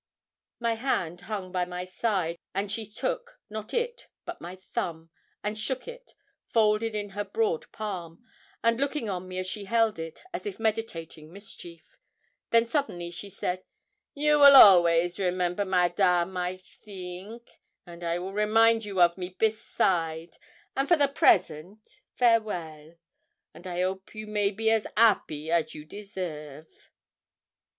My hand hung by my side, and she took, not it, but my thumb, and shook it, folded in her broad palm, and looking on me as she held it, as if meditating mischief. Then suddenly she said 'You will always remember Madame, I think, and I will remind you of me beside; and for the present farewell, and I hope you may be as 'appy as you deserve.'